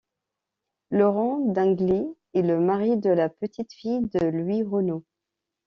Laurent Dingli est le mari de la petite-fille de Louis Renault.